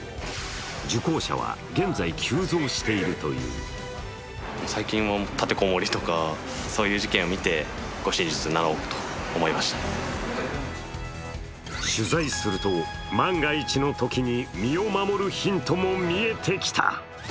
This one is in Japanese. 受講者は現在、急増しているという取材すると万が一のときに身を守るヒントも見えてきた！